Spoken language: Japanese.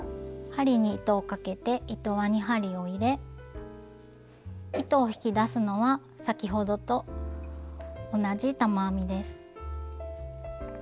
針に糸をかけて糸輪に針を入れ糸を引き出すのは先ほどと同じ玉編みです。